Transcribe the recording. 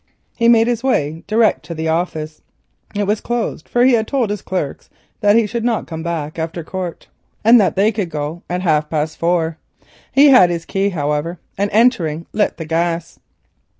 He made his way direct to the office. It was closed, for he had told his clerks he should not come back after court, and that they could go at half past four. He had his key, however, and, entering, lit the gas.